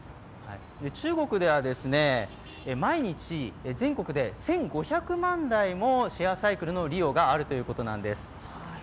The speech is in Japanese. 中国では毎日、全国で１５００万台もシェアサイクルの利用があるということなんです。